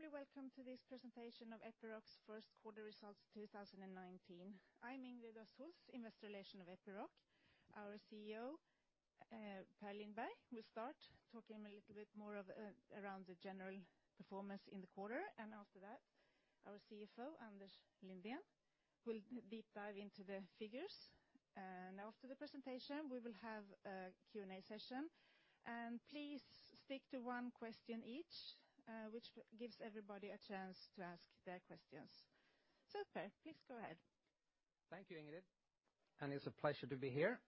Morning, warmly welcome to this presentation of Epiroc's first quarter results of 2019. I'm Ingrid Östhols, Vice President Investor Relations of Epiroc. Our CEO, Per Lindberg, will start talking a little bit more around the general performance in the quarter. After that, our CFO, Anders Lindén, will deep dive into the figures. After the presentation, we will have a Q&A session. Please stick to one question each, which gives everybody a chance to ask their questions. sir Per, please go ahead. Thank you, Ingrid, it's a pleasure to be here.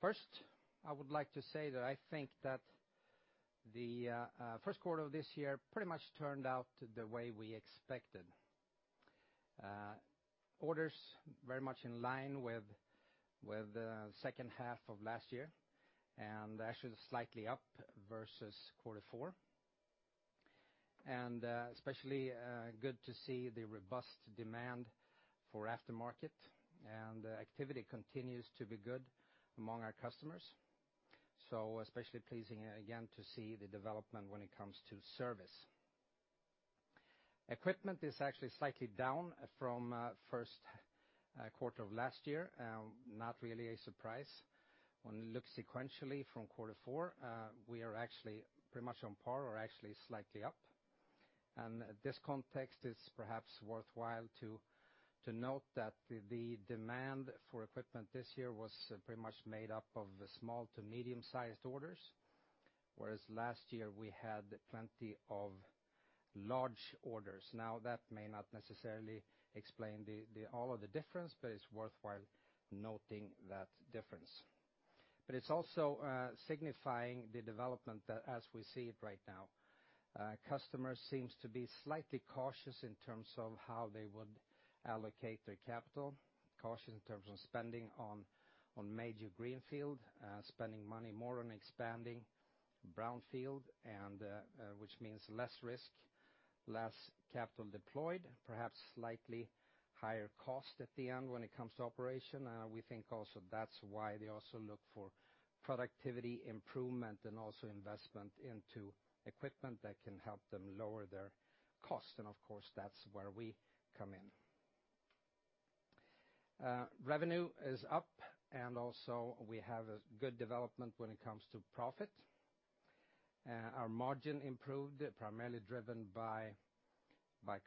First I would like to say that I think that the first quarter of this year pretty much turned out the way we expected. Orders very much in line with the second half of last year, actually slightly up versus quarter four. Especially good to see the robust demand for aftermarket, activity continues to be good among our customers. Especially pleasing again to see the development when it comes to service. Equipment is actually slightly down from first quarter of last year. Not really a surprise. When you look sequentially from quarter four, we are actually pretty much on par or actually slightly up. This context is perhaps worthwhile to note that the demand for equipment this year was pretty much made up of small to medium-sized orders. Whereas last year, we had plenty of large orders. That may not necessarily explain all of the difference, it's worthwhile noting that difference. It's also signifying the development as we see it right now. Customers seems to be slightly cautious in terms of how they would allocate their capital, cautious in terms of spending on major greenfield, spending money more on expanding brownfield, which means less risk, less capital deployed, perhaps slightly higher cost at the end when it comes to operation. We think also that's why they also look for productivity improvement and also investment into equipment that can help them lower their cost. Of course, that's where we come in. Revenue is up, also we have a good development when it comes to profit. Our margin improved, primarily driven by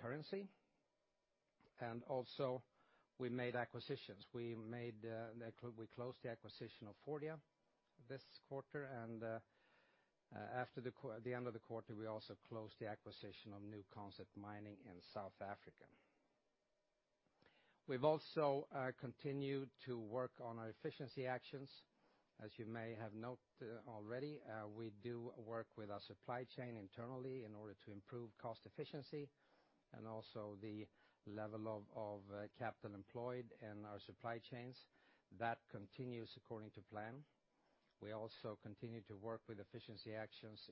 currency. Also we made acquisitions. We closed the acquisition of Fordia this quarter, at the end of the quarter, we also closed the acquisition of New Concept Mining in South Africa. We've also continued to work on our efficiency actions. As you may have note already, we do work with our supply chain internally in order to improve cost efficiency and also the level of capital employed in our supply chains. That continues according to plan. We also continue to work with efficiency actions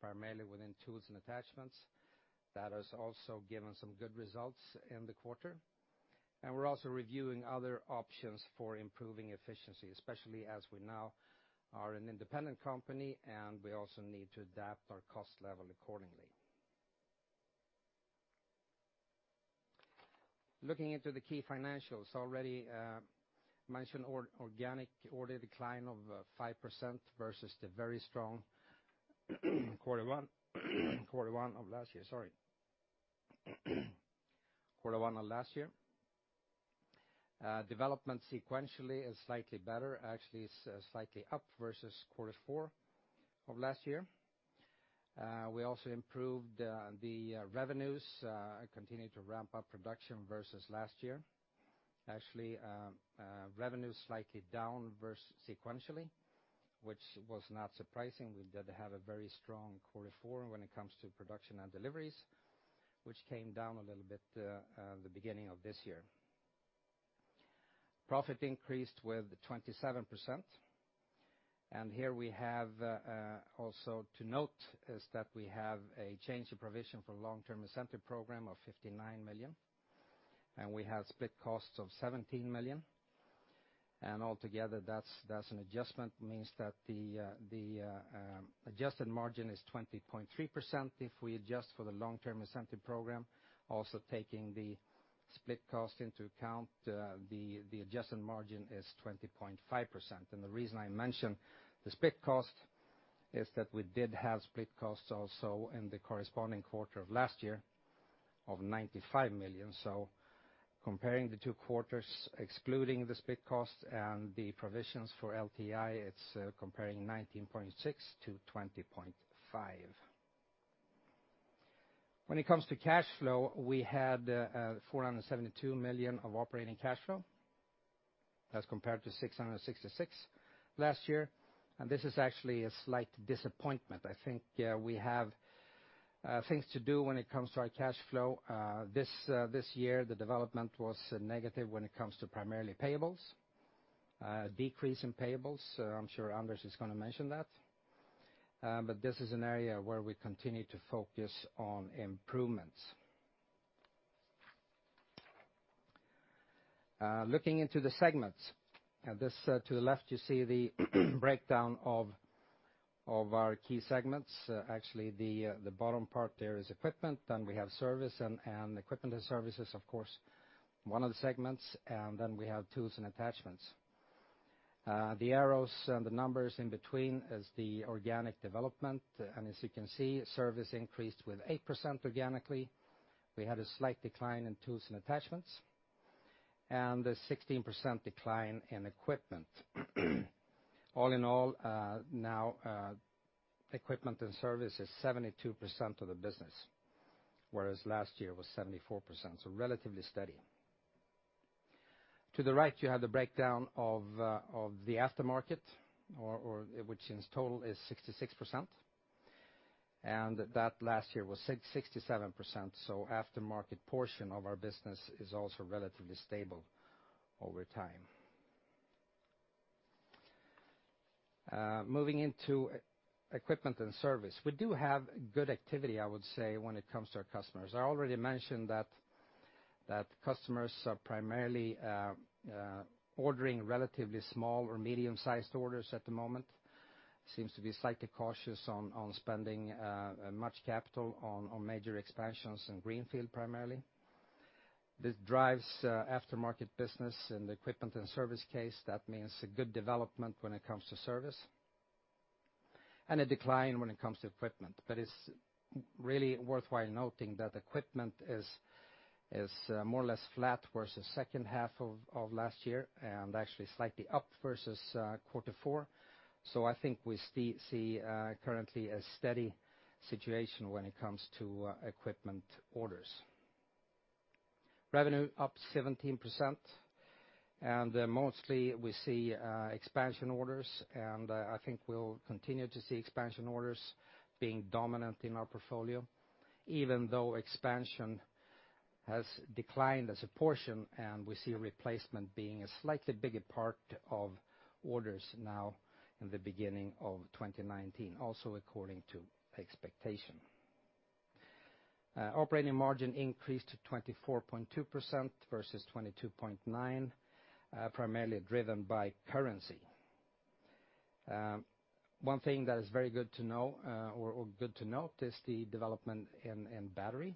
primarily within Tools & Attachments. That has also given some good results in the quarter. We're also reviewing other options for improving efficiency, especially as we now are an independent company, also we need to adapt our cost level accordingly. Looking into the key financials, already mentioned organic order decline of 5% versus the very strong quarter one of last year. Sorry. Quarter one of last year. Development sequentially is slightly better, actually slightly up versus quarter four of last year. We also improved the revenues, continue to ramp up production versus last year. Actually, revenue is slightly down sequentially, which was not surprising. We did have a very strong quarter four when it comes to production and deliveries, which came down a little bit the beginning of this year. Profit increased with 27%. Here we have also to note is that we have a change in provision for long-term incentive program of 59 million, and we have split costs of 17 million. Altogether, that's an adjustment, means that the adjusted margin is 20.3% if we adjust for the long-term incentive program. Also taking the split cost into account, the adjusted margin is 20.5%. The reason I mention the split cost is that we did have split costs also in the corresponding quarter of last year of 95 million. Comparing the two quarters, excluding the split cost and the provisions for LTI, it's comparing 19.6% to 20.5%. When it comes to cash flow, we had 472 million of operating cash flow as compared to 666 million last year. This is actually a slight disappointment. I think we have things to do when it comes to our cash flow. This year, the development was negative when it comes to primarily payables, a decrease in payables. I'm sure Anders is going to mention that. This is an area where we continue to focus on improvements. Looking into the segments. This to the left, you see the breakdown of our key segments. Actually, the bottom part there is equipment, then we have service, and equipment and services, of course, one of the segments, and then we have tools and attachments. The arrows and the numbers in between is the organic development. As you can see, service increased with 8% organically. We had a slight decline in tools and attachments, and a 16% decline in equipment. All in all, now equipment and service is 72% of the business, whereas last year was 74%, so relatively steady. To the right, you have the breakdown of the aftermarket, which in total is 66%, and that last year was 67%. Aftermarket portion of our business is also relatively stable over time. Moving into equipment and service. We do have good activity, I would say, when it comes to our customers. I already mentioned that customers are primarily ordering relatively small or medium-sized orders at the moment. Seems to be slightly cautious on spending much capital on major expansions in greenfield, primarily. This drives aftermarket business. In the equipment and service case, that means a good development when it comes to service, and a decline when it comes to equipment. It's really worthwhile noting that equipment is more or less flat versus second half of last year, and actually slightly up versus quarter four. I think we see currently a steady situation when it comes to equipment orders. Revenue up 17%, and mostly we see expansion orders, and I think we'll continue to see expansion orders being dominant in our portfolio, even though expansion has declined as a portion, and we see replacement being a slightly bigger part of orders now in the beginning of 2019, also according to expectation. Operating margin increased to 24.2% versus 22.9%, primarily driven by currency. One thing that is very good to note is the development in battery.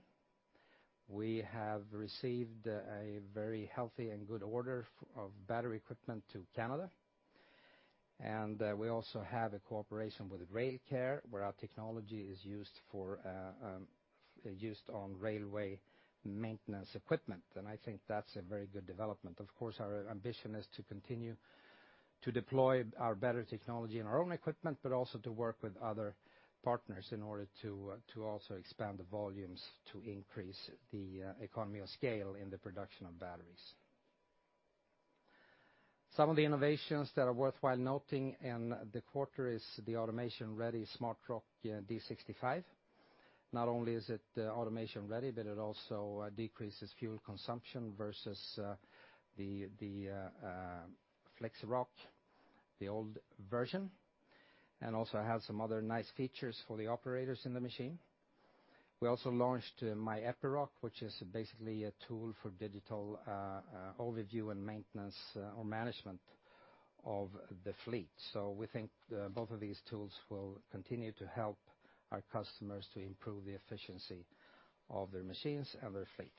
We have received a very healthy and good order of battery equipment to Canada. We also have a cooperation with Railcare, where our technology is used on railway maintenance equipment, and I think that's a very good development. Of course, our ambition is to continue to deploy our battery technology in our own equipment, but also to work with other partners in order to also expand the volumes to increase the economy of scale in the production of batteries. Some of the innovations that are worthwhile noting in the quarter is the automation-ready SmartROC D65. Not only is it automation ready, but it also decreases fuel consumption versus the FlexiROC, the old version, and also has some other nice features for the operators in the machine. We also launched MyEpiroc, which is basically a tool for digital overview and maintenance or management of the fleet. We think both of these tools will continue to help our customers to improve the efficiency of their machines and their fleet.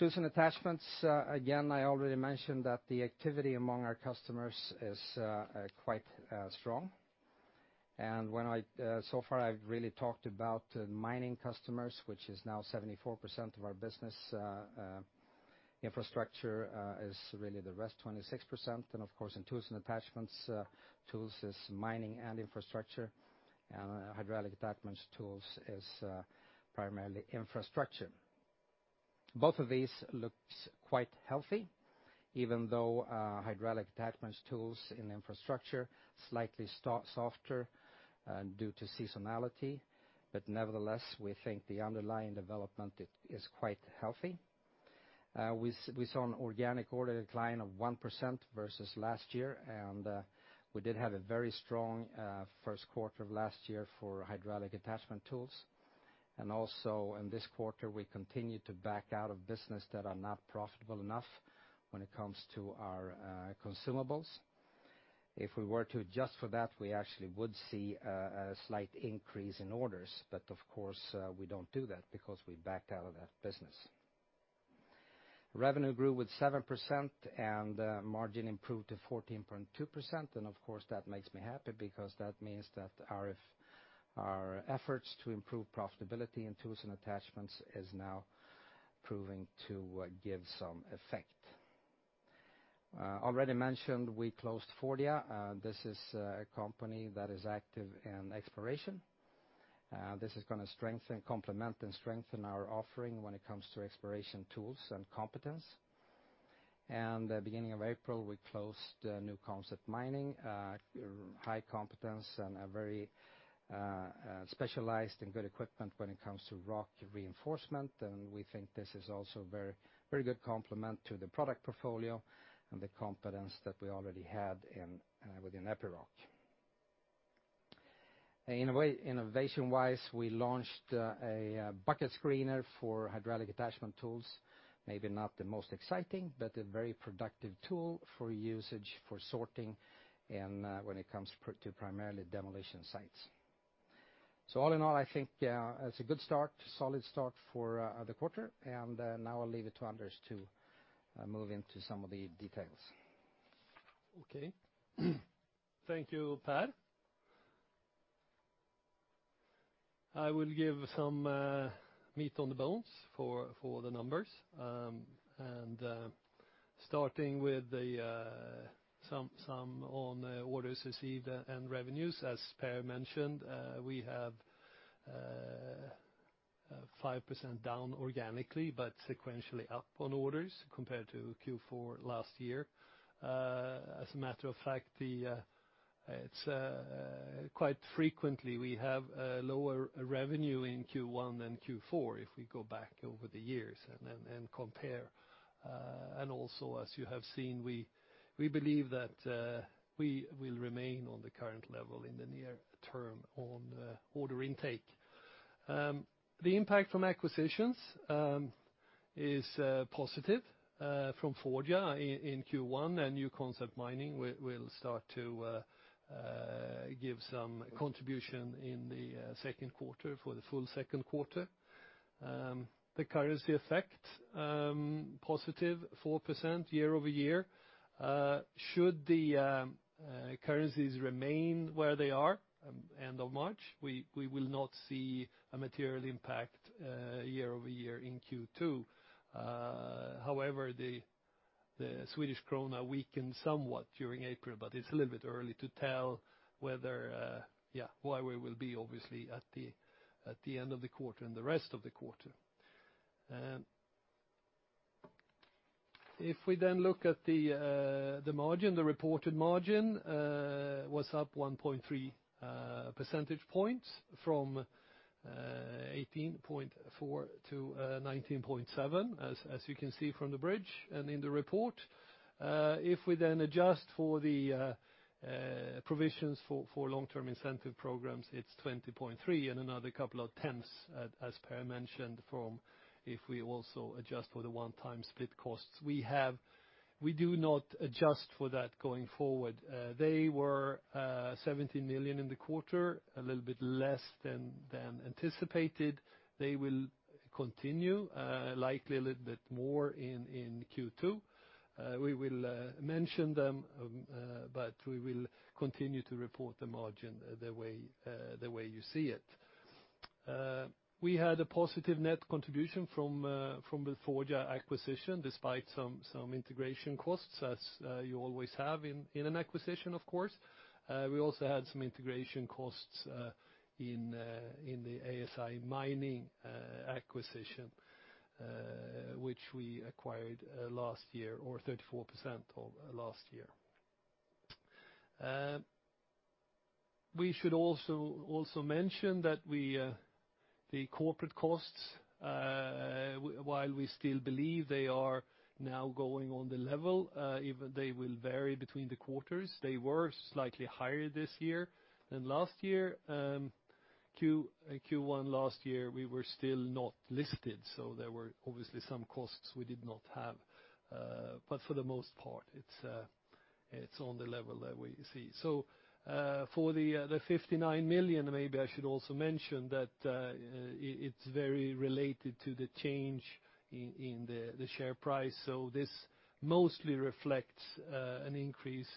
Tools & Attachments. Again, I already mentioned that the activity among our customers is quite strong. So far, I've really talked about mining customers, which is now 74% of our business. Infrastructure is really the rest, 26%. Of course, in Tools & Attachments, tools is mining and infrastructure, and hydraulic attachments tools is primarily infrastructure. Both of these looks quite healthy, even though hydraulic attachments tools in infrastructure slightly start softer due to seasonality. Nevertheless, we think the underlying development is quite healthy. We saw an organic order decline of 1% versus last year, and we did have a very strong first quarter of last year for hydraulic attachment tools. Also in this quarter, we continued to back out of business that are not profitable enough when it comes to our consumables. If we were to adjust for that, we actually would see a slight increase in orders. Of course, we don't do that because we backed out of that business. Revenue grew with 7% and margin improved to 14.2%. Of course, that makes me happy because that means that our efforts to improve profitability in Tools & Attachments is now proving to give some effect. Already mentioned, we closed Fordia. This is a company that is active in exploration. This is going to complement and strengthen our offering when it comes to exploration tools and competence. The beginning of April, we closed New Concept Mining, high competence and a very specialized and good equipment when it comes to rock reinforcement. We think this is also very good complement to the product portfolio and the competence that we already had within Epiroc. Innovation-wise, we launched a bucket screener for hydraulic attachment tools. Maybe not the most exciting, but a very productive tool for usage, for sorting, and when it comes to primarily demolition sites. All in all, I think it's a good start, a solid start for the quarter, and now I'll leave it to Anders to move into some of the details. Okay. Thank you, Per. I will give some meat on the bones for the numbers. Starting with the sum on orders received and revenues, as Per mentioned, we have 5% down organically, but sequentially up on orders compared to Q4 last year. As a matter of fact, it's quite frequently we have a lower revenue in Q1 than Q4 if we go back over the years and compare. Also, as you have seen, we believe that we will remain on the current level in the near term on order intake. The impact from acquisitions is positive from Fordia in Q1, and New Concept Mining will start to give some contribution in the second quarter for the full second quarter. The currency effect, positive 4% year-over-year. Should the currencies remain where they are end of March, we will not see a material impact year-over-year in Q2. The Swedish krona weakened somewhat during April, but it's a little bit early to tell where we will be, obviously, at the end of the quarter and the rest of the quarter. If we then look at the margin, the reported margin was up 1.3 percentage points from 18.4 to 19.7, as you can see from the bridge and in the report. If we then adjust for the provisions for long-term incentive programs, it's 20.3 and another couple of tenths, as Per mentioned, from if we also adjust for the one-time split costs. We do not adjust for that going forward. They were 17 million in the quarter, a little bit less than anticipated. They will continue, likely a little bit more in Q2. We will mention them, we will continue to report the margin the way you see it. We had a positive net contribution from the Fordia acquisition, despite some integration costs, as you always have in an acquisition, of course. We also had some integration costs in the ASI Mining acquisition which we acquired last year, or 34% of last year. We should also mention that the corporate costs, while we still believe they are now going on the level even they will vary between the quarters, they were slightly higher this year than last year. Q1 last year, we were still not listed, so there were obviously some costs we did not have. For the most part, it's on the level that we see. For the 59 million, maybe I should also mention that it's very related to the change in the share price. This mostly reflects an increase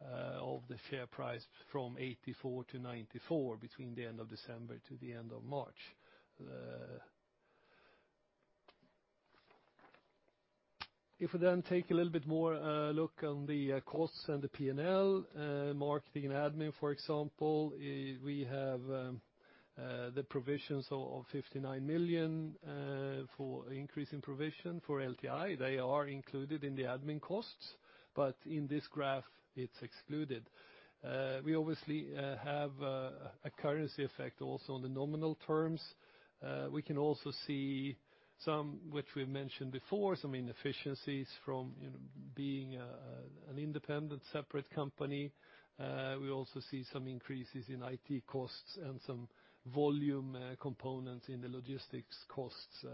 of the share price from 84 to 94 between the end of December to the end of March. If we then take a little bit more look on the costs and the P&L, marketing and admin, for example, we have the provisions of 59 million for increase in provision for LTI. They are included in the admin costs, but in this graph it's excluded. We obviously have a currency effect also on the nominal terms. We can also see some, which we've mentioned before, some inefficiencies from being an independent separate company. We also see some increases in IT costs and some volume components in the logistics costs,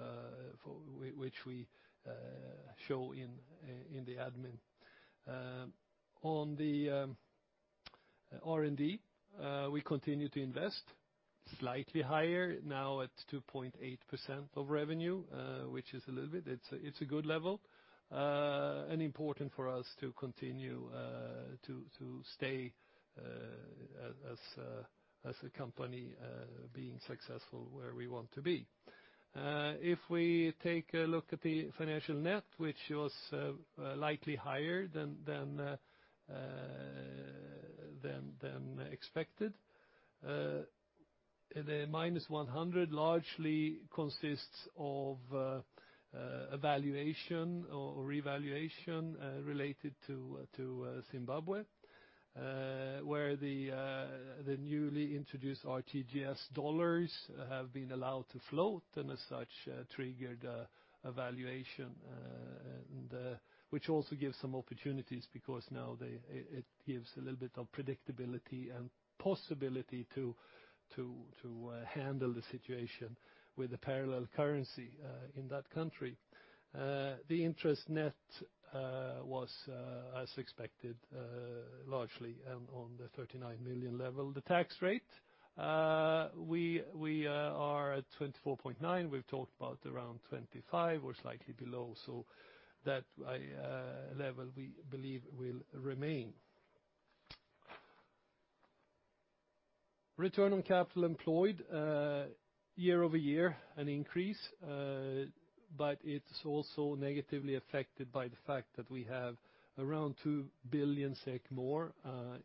which we show in the admin. On the R&D, we continue to invest slightly higher now at 2.8% of revenue which is a good level and important for us to continue to stay as a company being successful where we want to be. If we take a look at the financial net, which was likely higher than expected. The minus 100 million largely consists of a valuation or revaluation related to Zimbabwe where the newly introduced RTGS dollars have been allowed to float, and as such, triggered a valuation which also gives some opportunities because now it gives a little bit of predictability and possibility to handle the situation with the parallel currency in that country. The interest net was as expected, largely on the 39 million level. The tax rate, we are at 24.9%. We've talked about around 25% or slightly below. That level, we believe, will remain. Return on capital employed, year-over-year an increase, but it's also negatively affected by the fact that we have around 2 billion SEK more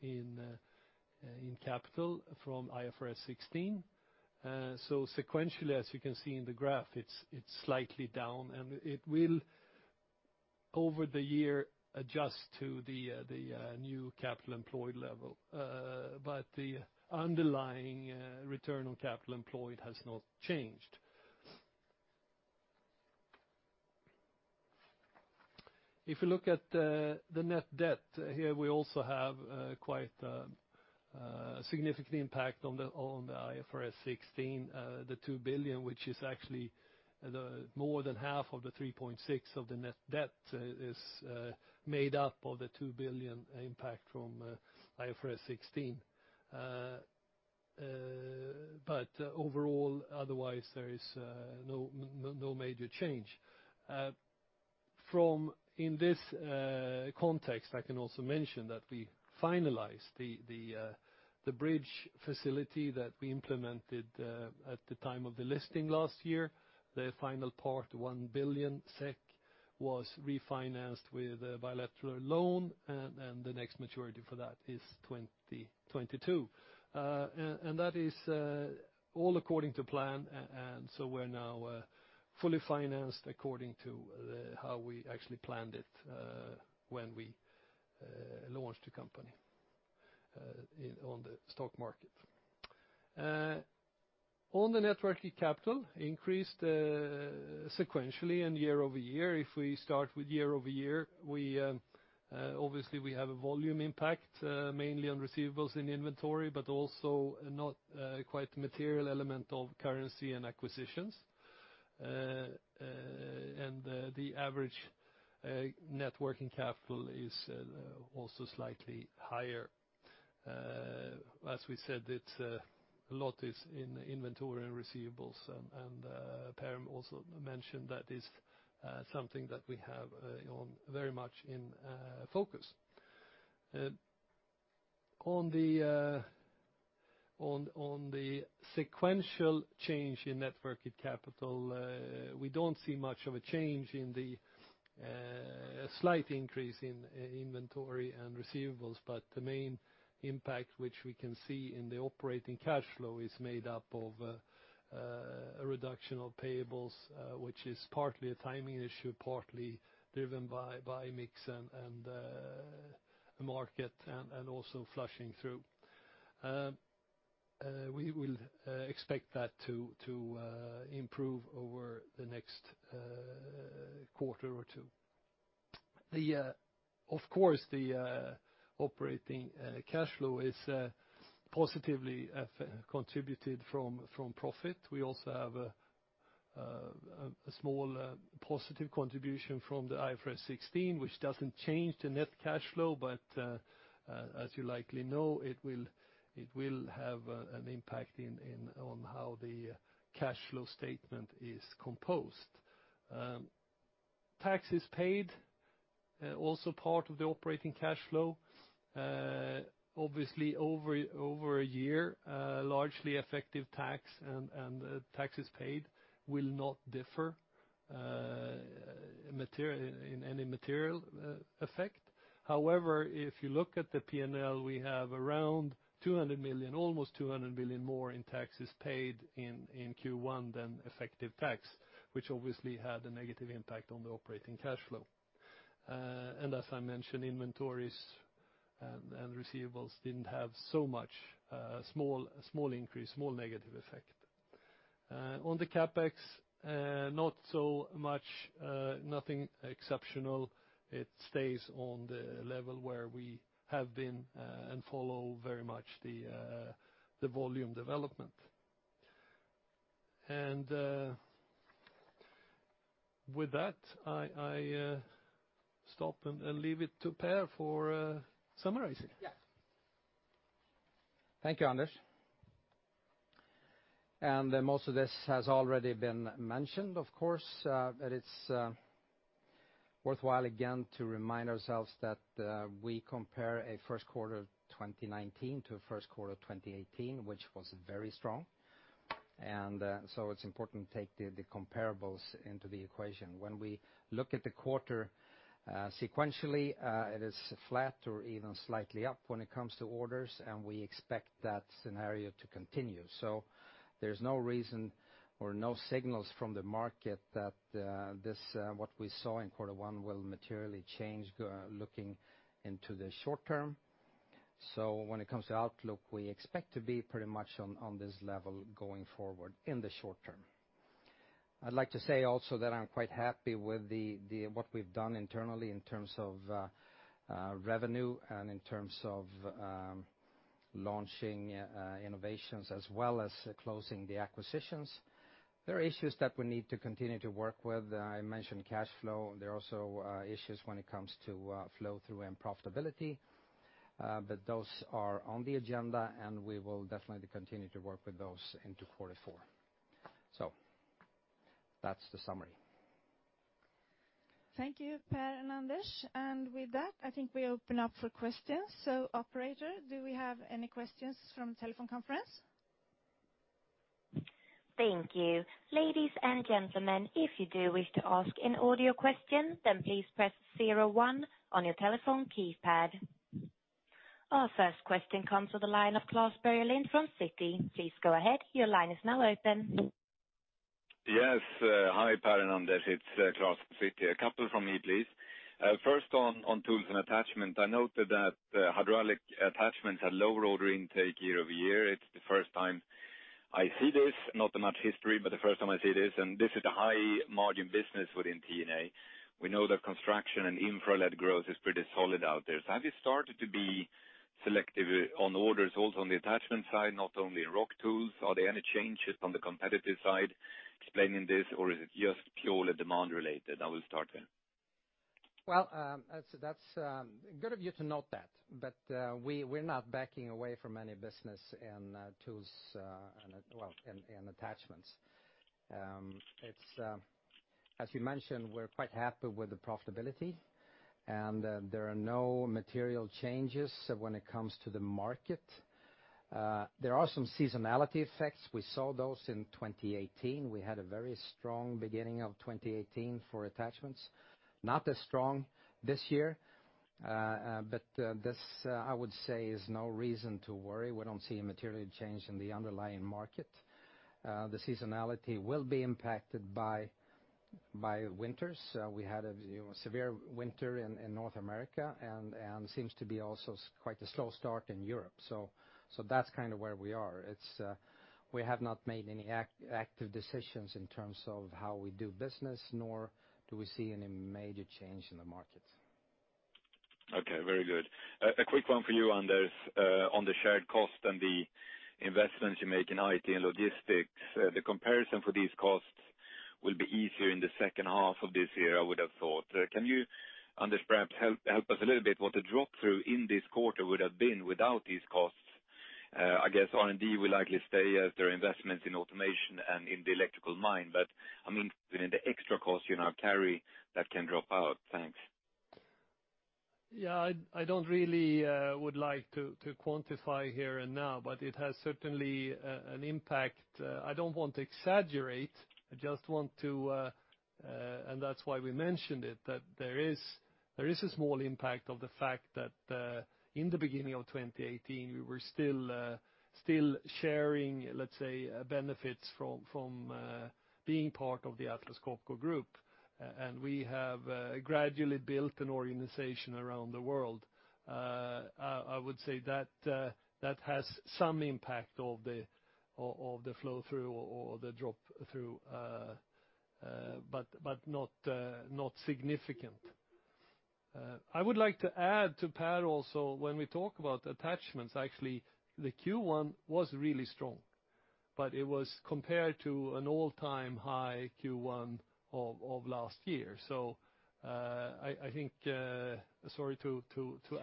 in capital from IFRS 16. Sequentially, as you can see in the graph, it's slightly down, and it will, over the year, adjust to the new capital employed level. The underlying return on capital employed has not changed. If you look at the net debt, here we also have quite a significant impact on the IFRS 16, the 2 billion, which is actually more than half of the 3.6 of the net debt is made up of the 2 billion impact from IFRS 16. Overall, otherwise, there is no major change. In this context, I can also mention that we finalized the bridge facility that we implemented at the time of the listing last year. The final part, 1 billion SEK, was refinanced with a bilateral loan, and the next maturity for that is 2022. That is all according to plan, we're now fully financed according to how we actually planned it when we launched the company on the stock market. On the net working capital, increased sequentially and year-over-year. If we start with year-over-year, obviously we have a volume impact, mainly on receivables in inventory, but also not quite material element of currency and acquisitions. The average net working capital is also slightly higher. As we said, a lot is in inventory and receivables, and Per also mentioned that is something that we have very much in focus. On the sequential change in net working capital, we don't see much of a change in the slight increase in inventory and receivables, but the main impact, which we can see in the operating cash flow, is made up of a reduction of payables, which is partly a timing issue, partly driven by mix and market, and also flushing through. We will expect that to improve over the next quarter or two. Of course, the operating cash flow is positively contributed from profit. We also have a small positive contribution from the IFRS 16, which doesn't change the net cash flow, but as you likely know, it will have an impact on how the cash flow statement is composed. Taxes paid, also part of the operating cash flow. Obviously over a year, largely effective tax and taxes paid will not differ in any material effect. If you look at the P&L, we have around 200 million, almost 200 million more in taxes paid in Q1 than effective tax, which obviously had a negative impact on the operating cash flow. As I mentioned, inventories and receivables didn't have so much. A small increase, small negative effect. On the CapEx, not so much, nothing exceptional. It stays on the level where we have been and follow very much the volume development. With that, I stop and leave it to Per for summarizing. Yes. Thank you, Anders. Most of this has already been mentioned, of course, but it's worthwhile again to remind ourselves that we compare a first quarter of 2019 to a first quarter of 2018, which was very strong. It's important to take the comparables into the equation. When we look at the quarter sequentially, it is flat or even slightly up when it comes to orders, and we expect that scenario to continue. There's no reason or no signals from the market that what we saw in quarter one will materially change looking into the short term. When it comes to outlook, we expect to be pretty much on this level going forward in the short term. I'd like to say also that I'm quite happy with what we've done internally in terms of revenue and in terms of launching innovations as well as closing the acquisitions. There are issues that we need to continue to work with. I mentioned cash flow. There are also issues when it comes to flow through and profitability, but those are on the agenda, and we will definitely continue to work with those into quarter four. That's the summary. Thank you, Per and Anders. With that, I think we open up for questions. Operator, do we have any questions from telephone conference? Thank you. Ladies and gentlemen, if you do wish to ask an audio question, please press zero one on your telephone keypad. Our first question comes to the line of Klas Bergelind from Citi. Please go ahead. Your line is now open. Yes. Hi, Per and Anders. It's Klas from Citi. A couple from me, please. First on tools and attachment, I noted that hydraulic attachments had lower order intake year-over-year. It's the first time I see this, not much history, but the first time I see this is a high margin business within T&A. We know that construction and infra led growth is pretty solid out there. Have you started to be selective on orders also on the attachment side, not only rock tools? Are there any changes on the competitive side explaining this, is it just purely demand related? I will start there. That's good of you to note that, we're not backing away from any business in tools, well, and attachments. As you mentioned, we're quite happy with the profitability, there are no material changes when it comes to the market. There are some seasonality effects. We saw those in 2018. We had a very strong beginning of 2018 for attachments. Not as strong this year. This, I would say, is no reason to worry. We don't see a material change in the underlying market. The seasonality will be impacted by winters. We had a severe winter in North America, seems to be also quite a slow start in Europe. That's kind of where we are. We have not made any active decisions in terms of how we do business, nor do we see any major change in the market. Okay, very good. A quick one for you, Anders, on the shared cost and the investments you make in IT and logistics. The comparison for these costs will be easier in the second half of this year, I would have thought. Can you, Anders, perhaps help us a little bit what the drop-through in this quarter would have been without these costs? I guess R&D will likely stay as their investments in automation and in the electrical mine. But within the extra cost you now carry, that can drop out. Thanks. Yeah. I don't really would like to quantify here and now, but it has certainly an impact. I don't want to exaggerate. I just want to, and that's why we mentioned it, that there is a small impact of the fact that in the beginning of 2018, we were still sharing, let's say, benefits from being part of the Atlas Copco Group. And we have gradually built an organization around the world. I would say that has some impact of the flow through or the drop through, but not significant. I would like to add to Per also, when we talk about attachments, actually, the Q1 was really strong, but it was compared to an all-time high Q1 of last year. So, I think, sorry to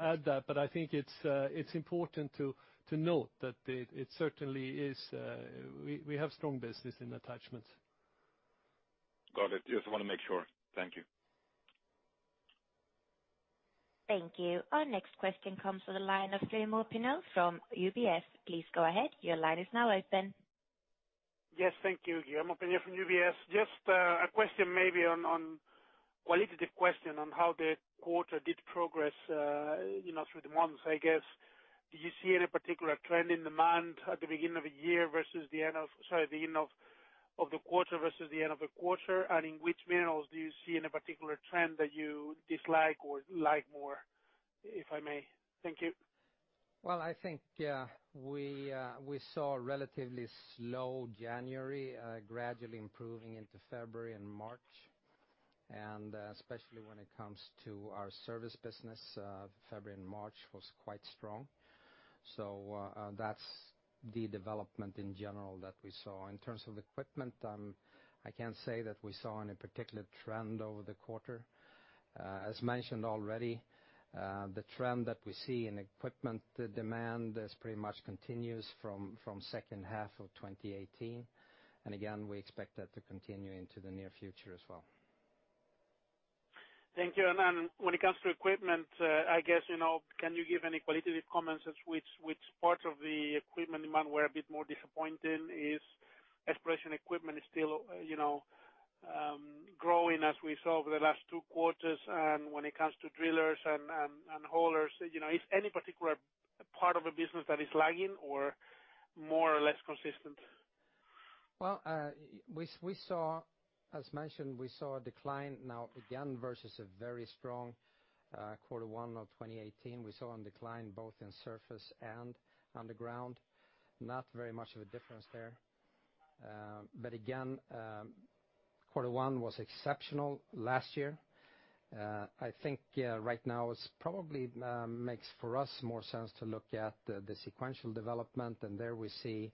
add that, but I think it's important to note that it certainly is. We have strong business in attachments. Got it. Just want to make sure. Thank you. Thank you. Our next question comes from the line of Guillermo Peigneux from UBS. Please go ahead. Your line is now open. Yes. Thank you, Guillermo Peigneux from UBS. Just a question maybe on a qualitative question on how the quarter did progress through the months, I guess. Do you see any particular trend in demand at the beginning of the year versus the end of the quarter? In which minerals do you see any particular trend that you dislike or like more, if I may? Thank you. I think, yeah, we saw a relatively slow January, gradually improving into February and March. Especially when it comes to our service business, February and March was quite strong. That's the development in general that we saw. In terms of equipment, I can't say that we saw any particular trend over the quarter. As mentioned already, the trend that we see in equipment demand is pretty much continuous from second half of 2018. Again, we expect that to continue into the near future as well. Thank you. When it comes to equipment, I guess, can you give any qualitative comments as which part of the equipment demand were a bit more disappointing? Is exploration equipment still growing as we saw over the last two quarters? When it comes to drillers and haulers, is any particular part of the business that is lagging or more or less consistent? As mentioned, we saw a decline now again versus a very strong quarter one of 2018. We saw a decline both in surface and underground. Not very much of a difference there. Again, quarter one was exceptional last year. I think right now, it probably makes more sense for us to look at the sequential development, and there we see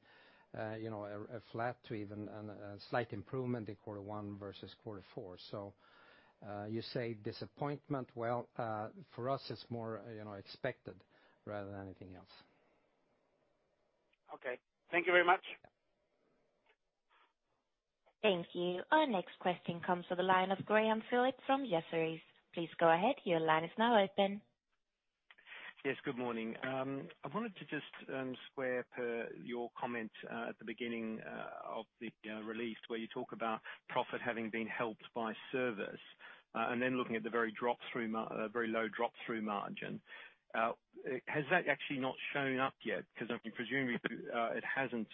a flat to even a slight improvement in quarter one versus quarter four. You say disappointment. For us it's more expected rather than anything else. Okay. Thank you very much. Thank you. Our next question comes from the line of Graham Phillips from Jefferies. Please go ahead, your line is now open. Yes, good morning. I wanted to just square per your comment at the beginning of the release, where you talk about profit having been helped by service, and then looking at the very low drop-through margin. Has that actually not shown up yet? Because I'm presuming it hasn't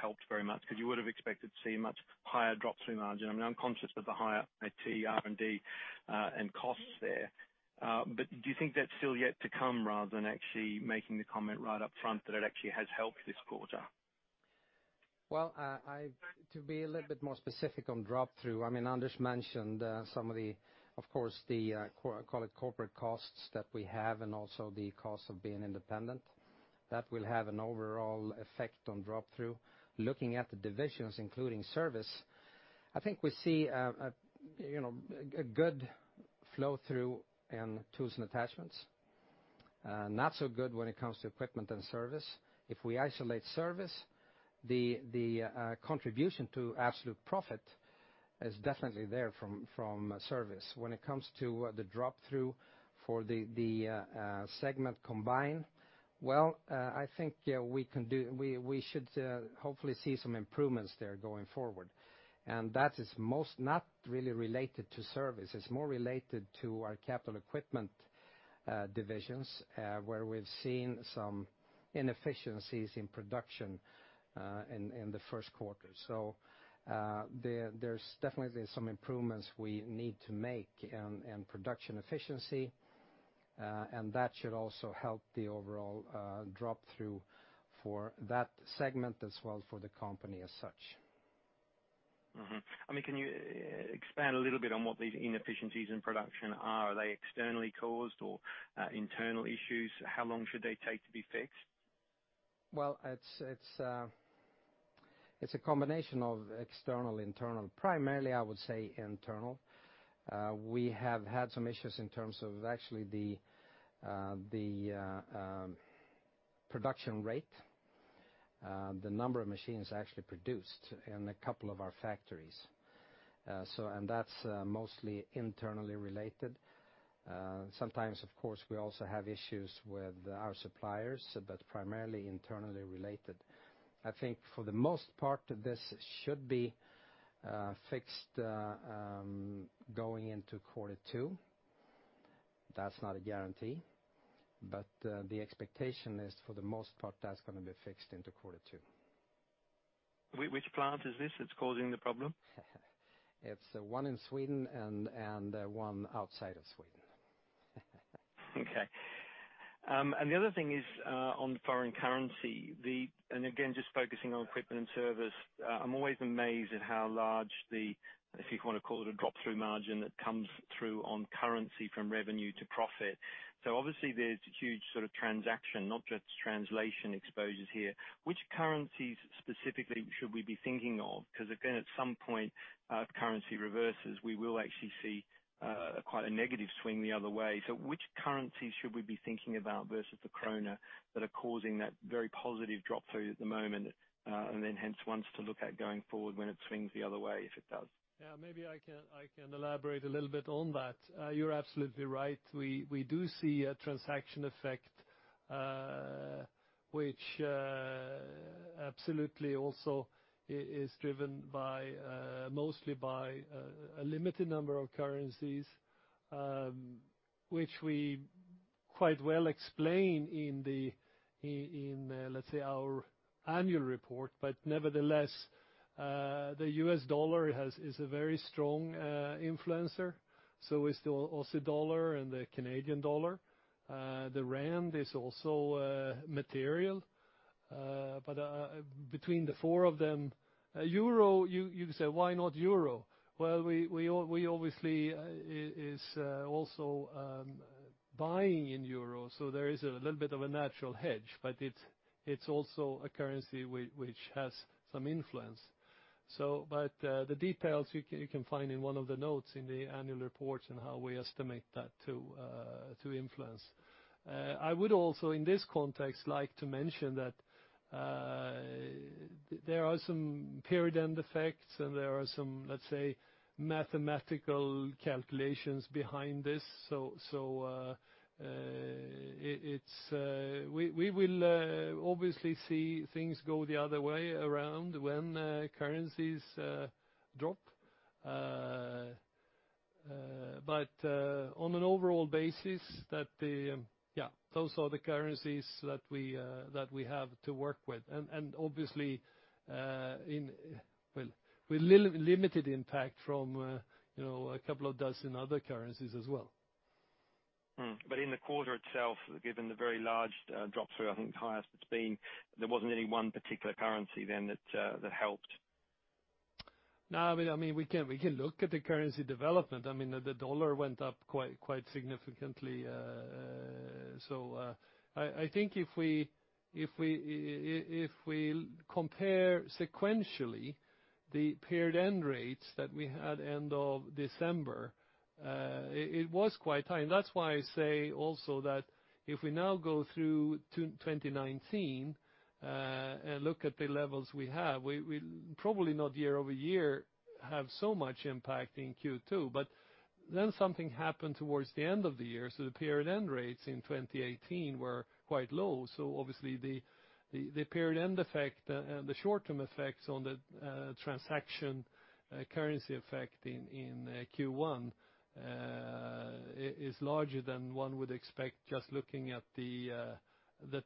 helped very much, because you would have expected to see a much higher drop-through margin. I'm conscious of the higher IT, R&D, and costs there. Do you think that's still yet to come, rather than actually making the comment right up front that it actually has helped this quarter? Well, to be a little bit more specific on drop-through. Anders mentioned some of the, call it corporate costs that we have, and also the cost of being independent. That will have an overall effect on drop-through. Looking at the divisions including service, I think we see a good flow-through in tools and attachments. Not so good when it comes to equipment and service. If we isolate service, the contribution to absolute profit is definitely there from service. When it comes to the drop-through for the segment combined, well, I think we should hopefully see some improvements there going forward. That is not really related to service. It's more related to our capital equipment divisions, where we've seen some inefficiencies in production in the first quarter. There's definitely some improvements we need to make in production efficiency, and that should also help the overall drop-through for that segment as well for the company as such. Can you expand a little bit on what these inefficiencies in production are? Are they externally caused or internal issues? How long should they take to be fixed? Well, it's a combination of external, internal. Primarily, I would say internal. We have had some issues in terms of actually the production rate, the number of machines actually produced in a couple of our factories. That's mostly internally related. Sometimes, of course, we also have issues with our suppliers, but primarily internally related. I think for the most part, this should be fixed going into quarter two. That's not a guarantee, but the expectation is, for the most part, that's going to be fixed into quarter two. Which plant is this that's causing the problem? It's one in Sweden and one outside of Sweden. Okay. The other thing is on foreign currency. Again, just focusing on equipment and service, I'm always amazed at how large the, if you want to call it a drop-through margin, that comes through on currency from revenue to profit. Obviously there's huge sort of transaction, not just translation exposures here. Which currencies specifically should we be thinking of? Because again, at some point, if currency reverses, we will actually see quite a negative swing the other way. Which currency should we be thinking about versus the krona that are causing that very positive drop-through at the moment, and then hence ones to look at going forward when it swings the other way, if it does? Yeah, maybe I can elaborate a little bit on that. You're absolutely right. We do see a transaction effect, which absolutely also is driven mostly by a limited number of currencies, which we quite well explain in, let's say, our annual report. Nevertheless, the U.S. Dollar is a very strong influencer. So is the Aussie dollar and the Canadian dollar. The Rand is also material. Between the four of them-- Euro, you could say, why not euro? Well, we obviously is also buying in euro, so there is a little bit of a natural hedge, but it's also a currency which has some influence. The details you can find in one of the notes in the annual reports on how we estimate that to influence. I would also, in this context, like to mention that there are some period end effects and there are some, let's say, mathematical calculations behind this. We will obviously see things go the other way around when currencies drop. On an overall basis, those are the currencies that we have to work with. Obviously, with limited impact from a couple of dozen other currencies as well. In the quarter itself, given the very large drop through, I think the highest it's been, there wasn't any one particular currency then that helped? No, we can look at the currency development. I mean, the U.S. dollar went up quite significantly. I think if we compare sequentially the period end rates that we had end of December, it was quite high. That's why I say also that if we now go through 2019, look at the levels we have, we probably not year-over-year have so much impact in Q2. Something happened towards the end of the year, the period end rates in 2018 were quite low. Obviously the period end effect and the short-term effects on the transaction currency effect in Q1 is larger than one would expect just looking at the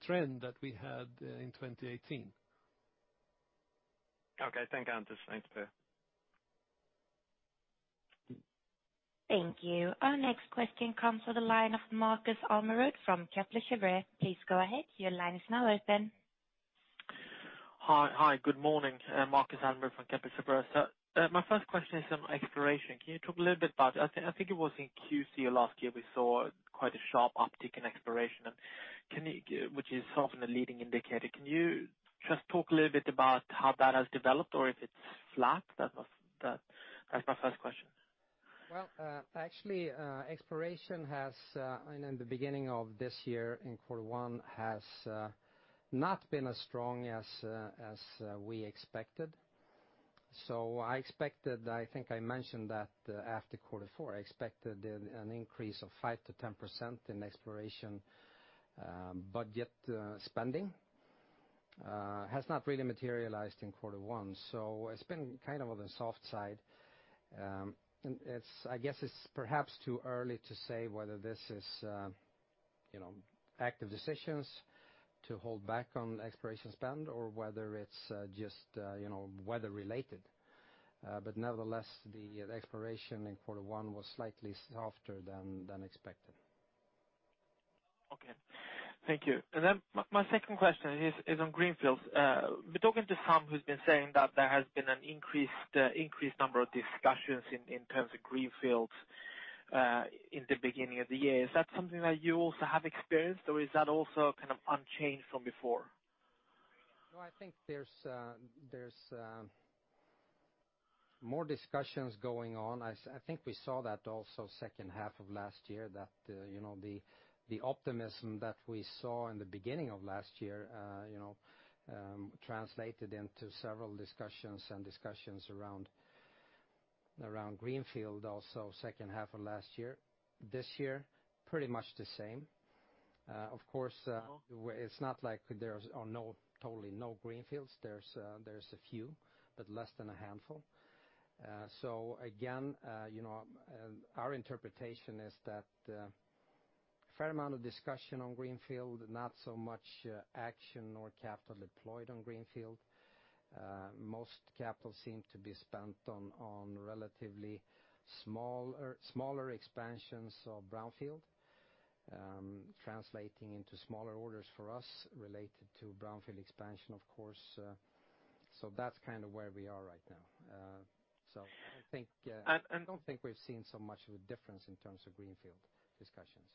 trend that we had in 2018. Okay. Thank you, Anders. Thanks, Per. Thank you. Our next question comes to the line of Marcus Almerud from Kepler Cheuvreux. Please go ahead. Your line is now open. Hi. Good morning. Marcus Almerud from Kepler Cheuvreux. My first question is on exploration. Can you talk a little bit about, I think it was in Q2 last year, we saw quite a sharp uptick in exploration, which is often a leading indicator. Can you just talk a little bit about how that has developed or if it's flat? That's my first question. Well, actually, exploration in the beginning of this year in Q1 has not been as strong as we expected. I expected, I think I mentioned that after Q4, I expected an increase of 5%-10% in exploration budget spending. It has not really materialized in Q1. It's been kind of on the soft side. I guess it's perhaps too early to say whether this is active decisions to hold back on exploration spend or whether it's just weather related. Nevertheless, the exploration in Q1 was slightly softer than expected. Okay. Thank you. My second question is on greenfields. I have been talking to some who's been saying that there has been an increased number of discussions in terms of greenfields in the beginning of the year. Is that something that you also have experienced or is that also kind of unchanged from before? No, I think there's more discussions going on. I think we saw that also second half of last year that the optimism that we saw in the beginning of last year translated into several discussions and discussions around greenfield also second half of last year. This year, pretty much the same. It's not like there's totally no greenfields. There's a few, but less than a handful. Again, our interpretation is that fair amount of discussion on greenfield, not so much action nor capital deployed on greenfield. Most capital seem to be spent on relatively smaller expansions of brownfield, translating into smaller orders for us related to brownfield expansion, of course. That's kind of where we are right now. I don't think we've seen so much of a difference in terms of greenfield discussions.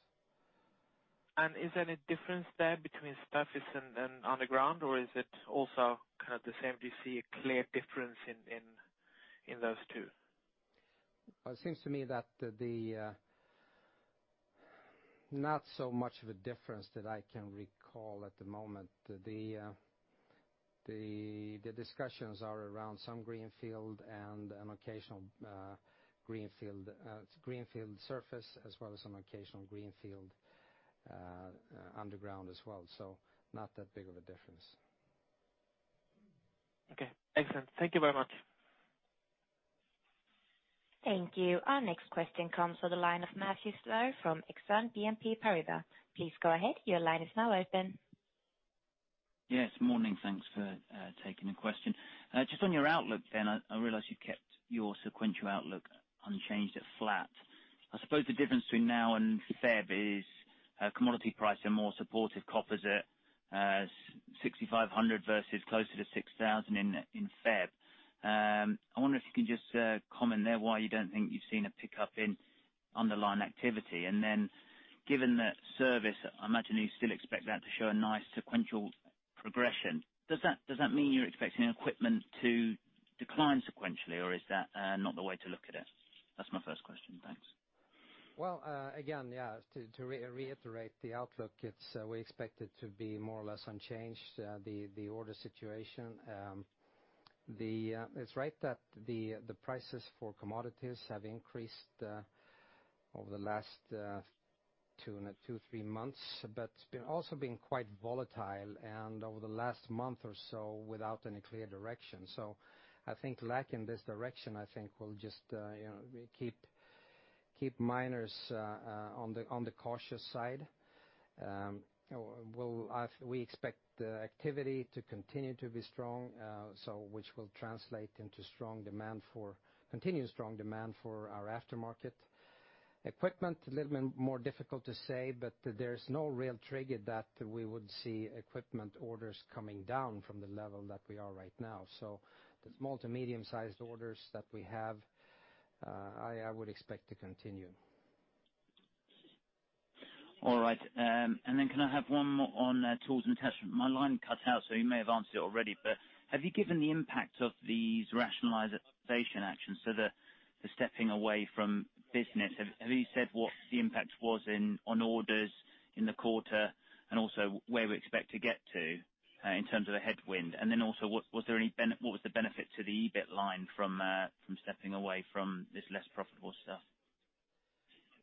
Is there any difference there between surface and underground, or is it also kind of the same? Do you see a clear difference in those two? It seems to me that the not so much of a difference that I can recall at the moment. The discussions are around some greenfield and an occasional greenfield surface as well as some occasional greenfield underground as well. Not that big of a difference. Okay. Excellent. Thank you very much. Thank you. Our next question comes to the line of Matthew Slowe from Exane BNP Paribas. Please go ahead. Your line is now open. Yes. Morning. Thanks for taking the question. Just on your outlook then, I realize you've kept your sequential outlook unchanged at flat. I suppose the difference between now and February is commodity prices are more supportive, copper's at $6,500 versus closer to $6,000 in February. I wonder if you can just comment there why you don't think you've seen a pickup in underlying activity. Given that service, I imagine you still expect that to show a nice sequential progression. Does that mean you're expecting equipment to decline sequentially, or is that not the way to look at it? That's my first question. Thanks. Well, again, to reiterate the outlook, we expect it to be more or less unchanged, the order situation. It's right that the prices for commodities have increased over the last two, three months, but it's also been quite volatile and over the last month or so without any clear direction. I think lacking this direction, I think will just keep miners on the cautious side. We expect the activity to continue to be strong, which will translate into continued strong demand for our aftermarket. Equipment, a little bit more difficult to say, but there's no real trigger that we would see equipment orders coming down from the level that we are right now. The small to medium-sized orders that we have, I would expect to continue. All right. Can I have one more on Tools & Attachments? My line cut out, you may have answered it already, but have you given the impact of these rationalization actions? The stepping away from business, have you said what the impact was on orders in the quarter, and also where we expect to get to in terms of the headwind? What was the benefit to the EBIT line from stepping away from this less profitable stuff?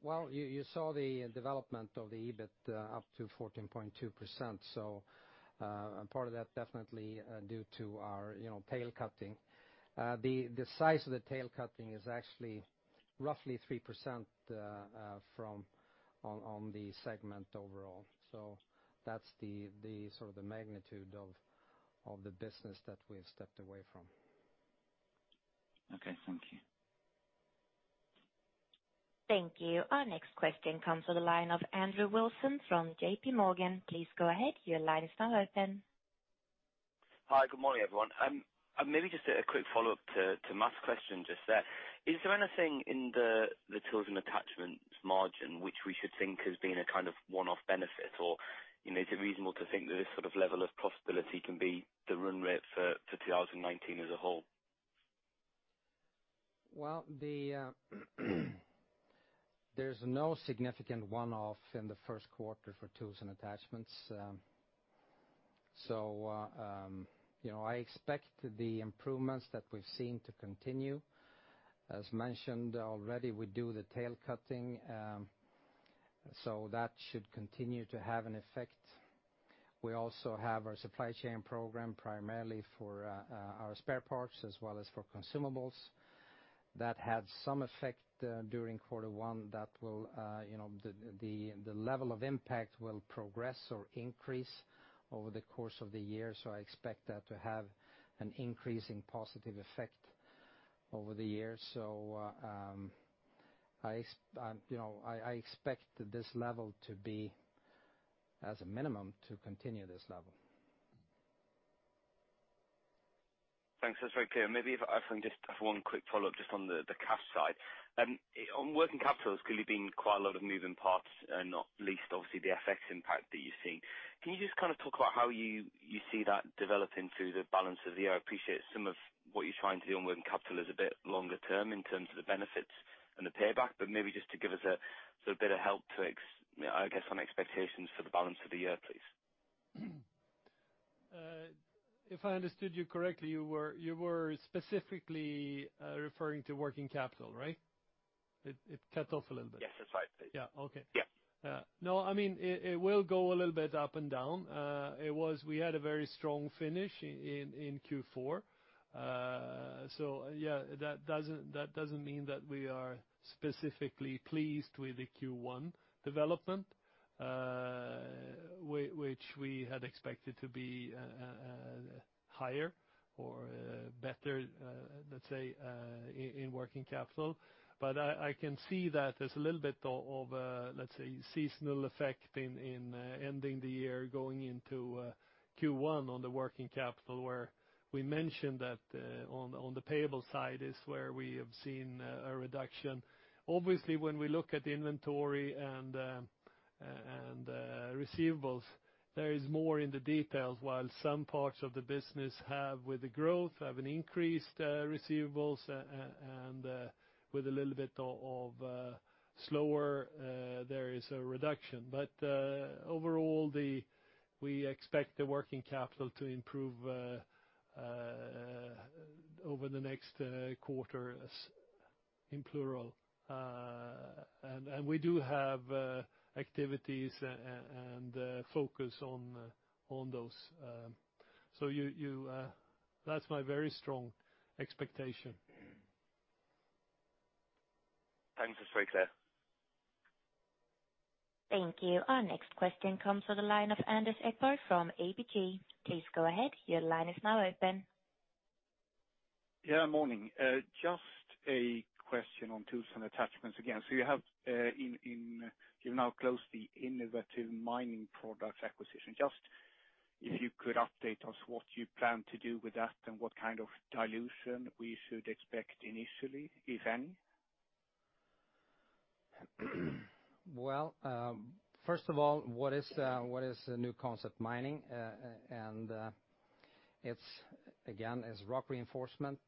Well, you saw the development of the EBIT up to 14.2%. Part of that definitely due to our tail cutting. The size of the tail cutting is actually roughly 3% on the segment overall. That's the sort of the magnitude of the business that we've stepped away from. Okay, thank you. Thank you. Our next question comes to the line of Andrew Wilson from J.P. Morgan. Please go ahead. Your line is now open. Hi, good morning, everyone. Maybe just a quick follow-up to Matt's question just there. Is there anything in the Tools & Attachments margin which we should think as being a kind of one-off benefit? Or is it reasonable to think that this sort of level of profitability can be the run rate for 2019 as a whole? There's no significant one-off in the first quarter for Tools & Attachments. I expect the improvements that we've seen to continue. As mentioned already, we do the tail cutting, that should continue to have an effect. We also have our supply chain program primarily for our spare parts as well as for consumables. That had some effect during quarter one. The level of impact will progress or increase over the course of the year, I expect that to have an increasing positive effect over the year. I expect this level to be, as a minimum, to continue this level. Thanks. That's very clear. Maybe if I can just have one quick follow-up just on the cash side. On working capital, it's clearly been quite a lot of moving parts, not least obviously the FX impact that you've seen. Can you just kind of talk about how you see that developing through the balance of the year? I appreciate some of what you're trying to do on working capital is a bit longer-term in terms of the benefits and the payback, maybe just to give us a sort of bit of help to, I guess, on expectations for the balance of the year, please. If I understood you correctly, you were specifically referring to working capital, right? It cut off a little bit. Yes, that's right. Yeah. Okay. Yeah. No, it will go a little bit up and down. We had a very strong finish in Q4. That doesn't mean that we are specifically pleased with the Q1 development, which we had expected to be higher or better, let's say, in working capital. I can see that there's a little bit of, let's say, seasonal effect in ending the year going into Q1 on the working capital, where we mentioned that on the payable side is where we have seen a reduction. Obviously, when we look at inventory and receivables, there is more in the details, while some parts of the business have, with the growth, have an increased receivables, and with a little bit of slower there is a reduction. Overall, we expect the working capital to improve over the next quarters, in plural. We do have activities and focus on those. That's my very strong expectation. Thanks. That is very clear. Thank you. Our next question comes to the line of Anders Idborg from ABG. Please go ahead. Your line is now open. Morning. Just a question on Tools & Attachments again. You have now closed the New Concept Mining acquisition. Just if you could update us what you plan to do with that and what kind of dilution we should expect initially, if any. First of all, what is the New Concept Mining? It is, again, is rock reinforcement.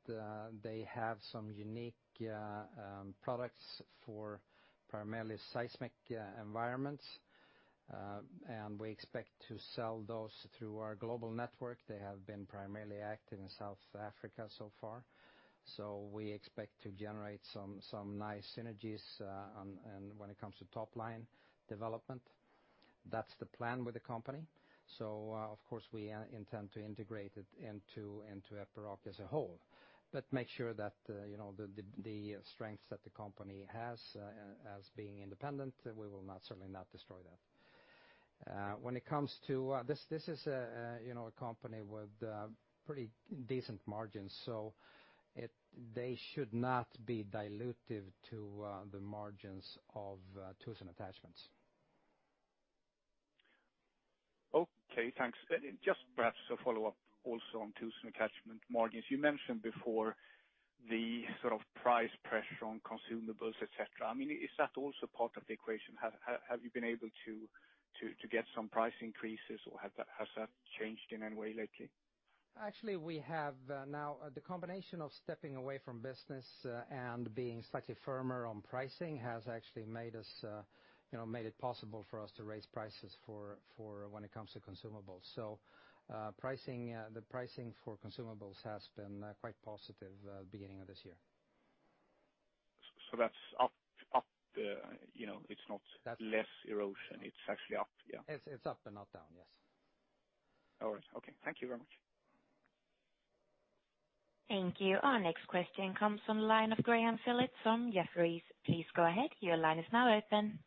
They have some unique products for primarily seismic environments. We expect to sell those through our global network. They have been primarily active in South Africa so far. We expect to generate some nice synergies when it comes to top line development. That is the plan with the company. Of course we intend to integrate it into Epiroc as a whole, but make sure that the strengths that the company has as being independent, we will certainly not destroy that. This is a company with pretty decent margins, so they should not be dilutive to the margins of Tools & Attachments. Okay, thanks. Perhaps a follow-up also on Tools & Attachments margins. You mentioned before the sort of price pressure on consumables, et cetera. Is that also part of the equation? Have you been able to get some price increases, or has that changed in any way lately? We have now the combination of stepping away from business and being slightly firmer on pricing has actually made it possible for us to raise prices for when it comes to consumables. The pricing for consumables has been quite positive beginning of this year. That's up? It's not less erosion, it's actually up, yeah. It's up and not down, yes. All right. Okay. Thank you very much. Thank you. Our next question comes from the line of Graham Phillips from Jefferies. Please go ahead. Your line is now open.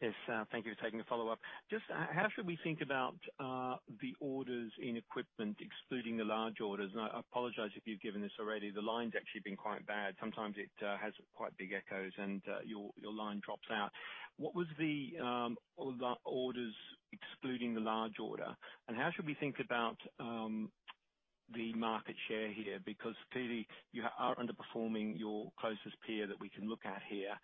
Yes. Thank you for taking the follow-up. Just how should we think about the orders in equipment excluding the large orders? I apologize if you've given this already. The line's actually been quite bad. Sometimes it has quite big echoes, and your line drops out. What was the orders excluding the large order, and how should we think about the market share here? Clearly you are underperforming your closest peer that we can look at here.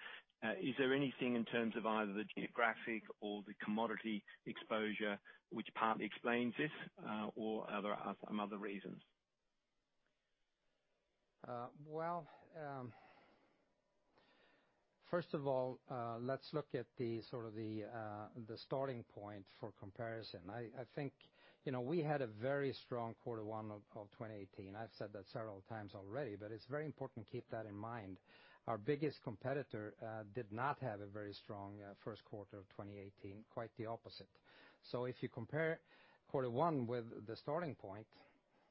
Is there anything in terms of either the geographic or the commodity exposure which partly explains this? Or are there some other reasons? Well, first of all, let's look at the sort of the starting point for comparison. I think we had a very strong quarter one of 2018. I've said that several times already, but it's very important to keep that in mind. Our biggest competitor did not have a very strong first quarter of 2018, quite the opposite. If you compare quarter one with the starting point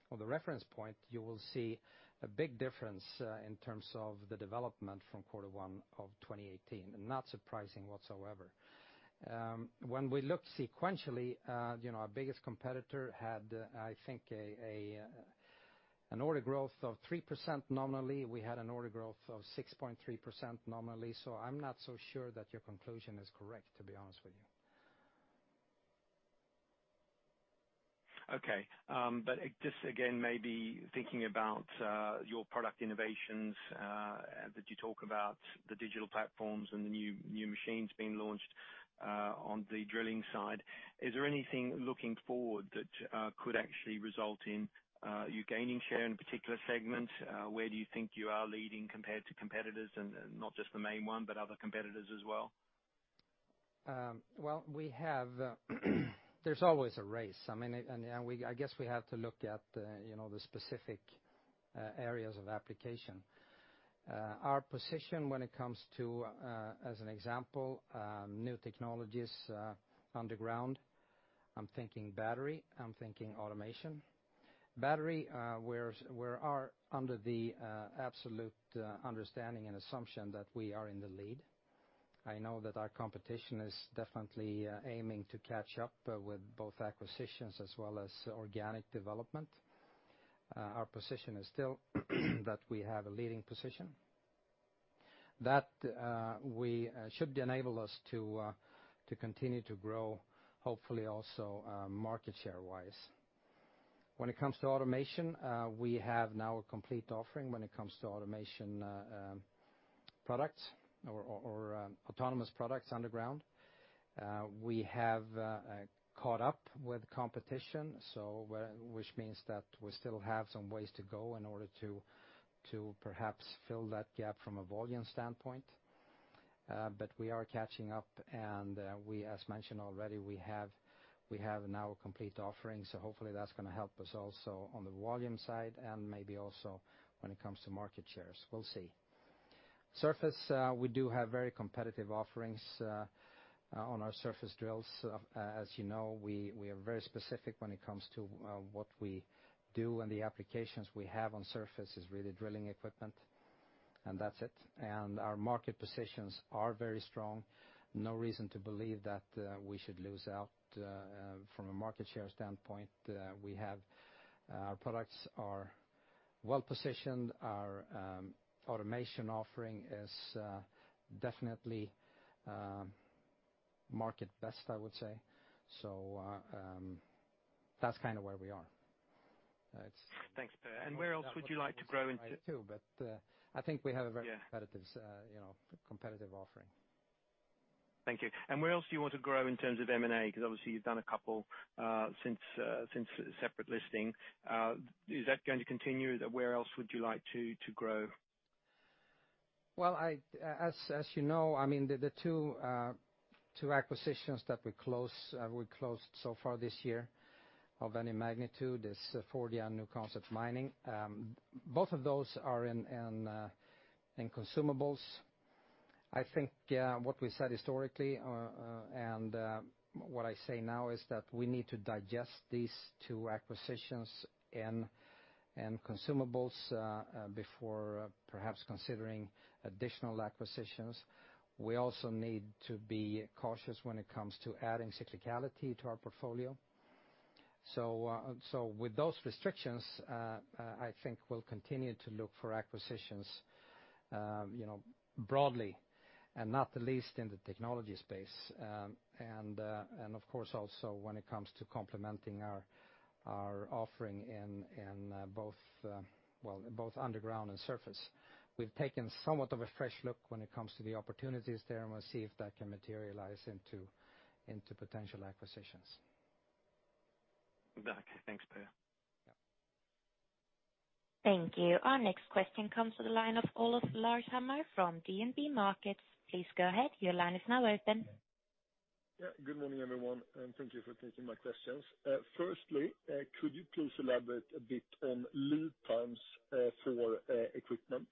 or the reference point, you will see a big difference in terms of the development from quarter one of 2018, and not surprising whatsoever. When we look sequentially our biggest competitor had, I think, an order growth of 3% nominally. We had an order growth of 6.3% nominally. I'm not so sure that your conclusion is correct, to be honest with you. Just again, maybe thinking about your product innovations that you talk about, the digital platforms and the new machines being launched on the drilling side, is there anything looking forward that could actually result in you gaining share in a particular segment? Where do you think you are leading compared to competitors, and not just the main one, but other competitors as well? There's always a race. I guess we have to look at the specific areas of application. Our position when it comes to, as an example, new technologies underground. I'm thinking battery, I'm thinking automation. Battery, we are under the absolute understanding and assumption that we are in the lead. I know that our competition is definitely aiming to catch up with both acquisitions as well as organic development. Our position is still that we have a leading position. That should enable us to continue to grow, hopefully also market share-wise. When it comes to automation, we have now a complete offering when it comes to automation products or autonomous products underground. We have caught up with competition, which means that we still have some ways to go in order to perhaps fill that gap from a volume standpoint. We are catching up, and as mentioned already, we have now a complete offering. Hopefully that's going to help us also on the volume side and maybe also when it comes to market shares, we'll see. Surface, we do have very competitive offerings on our surface drills. As you know, we are very specific when it comes to what we do, and the applications we have on surface is really drilling equipment, and that's it. Our market positions are very strong. No reason to believe that we should lose out from a market share standpoint. Our products are well positioned. Our automation offering is definitely market best, I would say. That's kind of where we are. Thanks. Where else would you like to grow into? I think we have a very competitive offering. Thank you. Where else do you want to grow in terms of M&A? Obviously you've done a couple since separate listing. Is that going to continue? Where else would you like to grow? Well, as you know, the two acquisitions that we closed so far this year of any magnitude is Fordia and New Concept Mining. Both of those are in consumables. I think what we said historically, and what I say now is that we need to digest these two acquisitions in consumables before perhaps considering additional acquisitions. We also need to be cautious when it comes to adding cyclicality to our portfolio. With those restrictions, I think we'll continue to look for acquisitions broadly and not the least in the technology space. Of course also when it comes to complementing our offering in both underground and surface. We've taken somewhat of a fresh look when it comes to the opportunities there, and we'll see if that can materialize into potential acquisitions. Back. Thanks, Per. Yeah. Thank you. Our next question comes to the line of Olof Larshammar from DNB Markets. Please go ahead. Your line is now open. Yeah. Good morning, everyone, and thank you for taking my questions. Firstly, could you please elaborate a bit on lead times for equipment?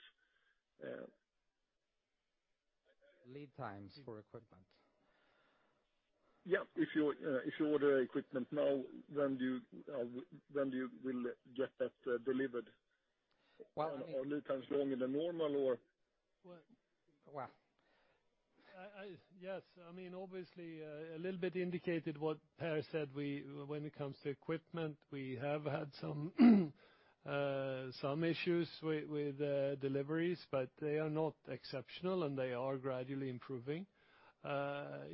Lead times for equipment? Yeah. If you order equipment now, when will you get that delivered? Are lead times longer than normal or? Well. Yes. Obviously, a little bit indicated what Per said. When it comes to equipment, we have had some issues with deliveries, but they are not exceptional, and they are gradually improving. For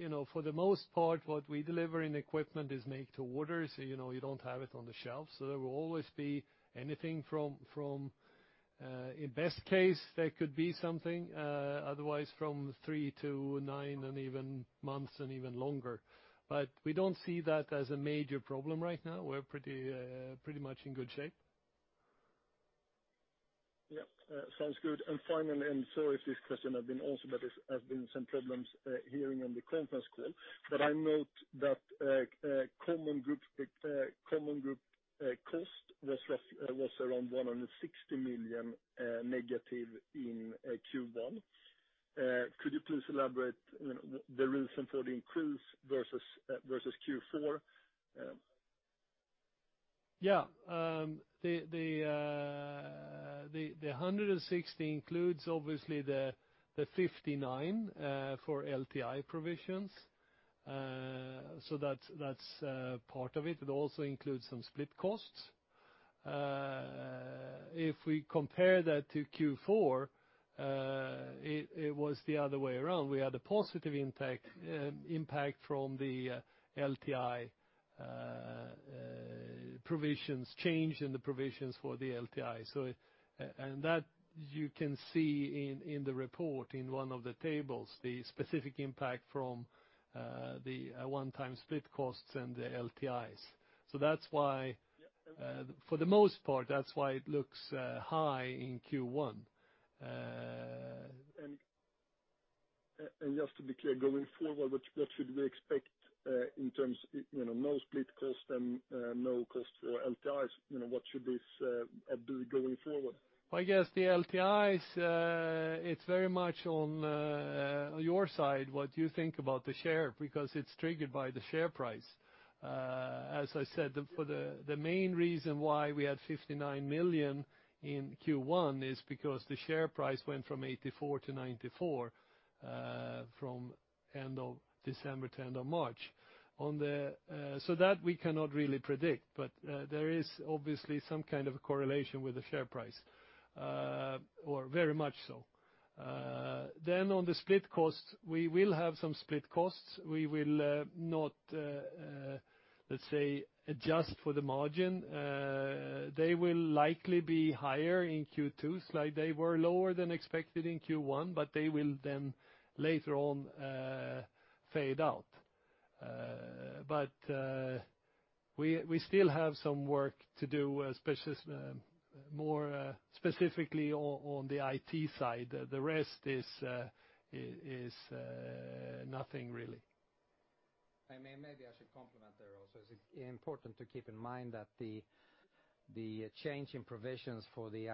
the most part, what we deliver in equipment is made to order, so you don't have it on the shelf. There will always be anything from, in best case, there could be something, otherwise from three to nine months and even longer. We don't see that as a major problem right now. We're pretty much in good shape. Sounds good. Finally, sorry if this question has been asked, there have been some problems hearing on the conference call. I note that common group cost was around 160 million negative in Q1. Could you please elaborate the reason for the increase versus Q4? The 160 million includes obviously the 59 million for LTI provisions. That's part of it. It also includes some split costs. If we compare that to Q4, it was the other way around. We had a positive impact from the LTI provisions, change in the provisions for the LTI. That you can see in the report in one of the tables, the specific impact from the one-time split costs and the LTIs. For the most part, that's why it looks high in Q1. Just to be clear, going forward, what should we expect in terms, no split cost and no cost for LTIs, what should this be going forward? I guess the LTIs, it's very much on your side what you think about the share, because it's triggered by the share price. As I said, the main reason why we had 59 million in Q1 is because the share price went from 84 to 94, from end of December to end of March. That we cannot really predict, but there is obviously some kind of correlation with the share price, or very much so. On the split costs, we will have some split costs. We will not, let's say, adjust for the margin. They will likely be higher in Q2. They were lower than expected in Q1, but they will then later on fade out. We still have some work to do, more specifically on the IT side. The rest is nothing really. Maybe I should complement there also. It's important to keep in mind that the change in provisions for the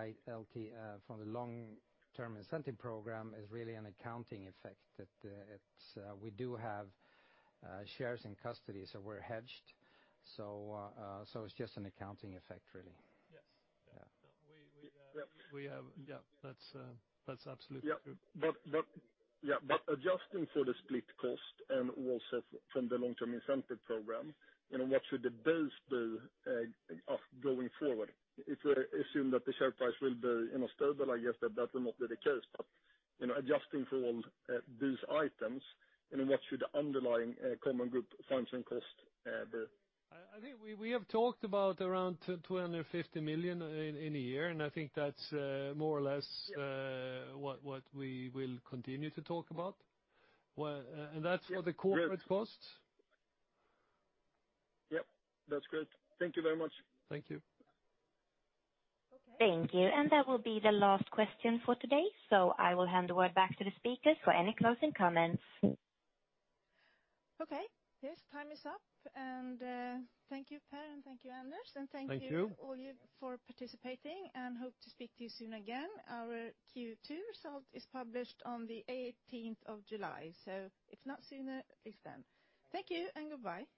long-term incentive program is really an accounting effect, that we do have shares in custody, so we're hedged. It's just an accounting effect, really. Yes. Yeah. That's absolutely true. Yeah. Adjusting for the split cost and also from the long-term incentive program, what should the base be going forward? If we assume that the share price will be stable, I guess that that will not be the case. Adjusting for all these items, what should the underlying common group functioning cost be? I think we have talked about around 250 million in a year. I think that's more or less what we will continue to talk about. That's for the corporate costs. Yep. That's great. Thank you very much. Thank you. Thank you. That will be the last question for today, so I will hand the word back to the speakers for any closing comments. Okay. Yes, time is up. Thank you, Per. Thank you, Anders. Thank you. Thank you all you for participating. Hope to speak to you soon again. Our Q2 result is published on the 18th of July. If not sooner, it's then. Thank you and goodbye.